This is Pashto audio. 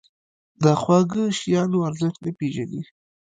د خواږه شیانو ارزښت نه پېژني.